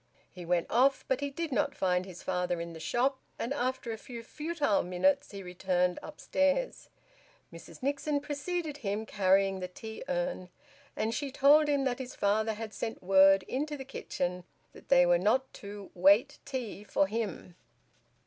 He went off, but he did not find his father in the shop, and after a few futile minutes he returned upstairs. Mrs Nixon preceded him, carrying the tea urn, and she told him that his father had sent word into the kitchen that they were not to `wait tea' for him.